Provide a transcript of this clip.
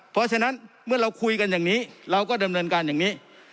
เพราะฉะนั้นเมื่อเราคุยกันอย่างนี้เราก็ดำเนินการอย่างนี้